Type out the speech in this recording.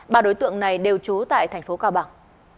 công trình đều trú tại tp cao bằng